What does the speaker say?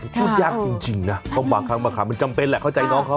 พูดยากจริงน่ะต้องบอกคำบรรคามันจำเป็นแหละเข้าใจน้องเขา